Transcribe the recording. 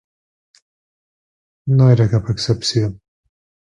No era cap excepció.